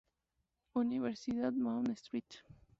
Universidad Mount St.